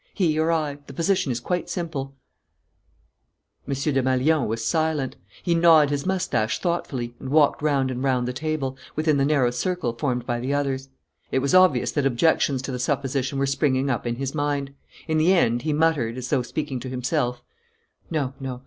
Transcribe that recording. He or I: the position is quite simple." M. Desmalions was silent. He gnawed his moustache thoughtfully and walked round and round the table, within the narrow circle formed by the others. It was obvious that objections to the supposition were springing up in his mind. In the end, he muttered, as though speaking to himself: "No, no.